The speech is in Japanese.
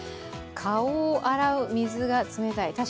顔を洗う水が冷たい。